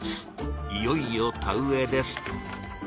いよいよ田植えです。